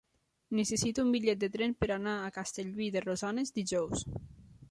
Necessito un bitllet de tren per anar a Castellví de Rosanes dijous.